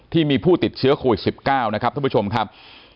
ที่มีผู้ติดเชื้อโควิด๑๙นะครับท่านผู้ชมครับ